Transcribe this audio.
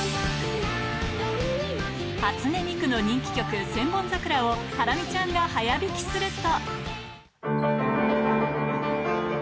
初音ミクの人気曲、千本桜をハラミちゃんが速弾きすると。